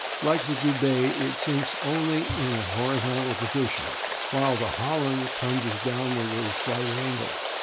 Like the Goubet it sinks only in a horizontal position, while the Holland plunges downward at a slight angle.